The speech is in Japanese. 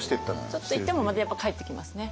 ちょっと行ってもまたやっぱ帰ってきますね。